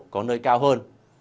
có nơi cao hơn